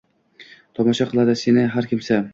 Tomosha qiladi seni har kimsa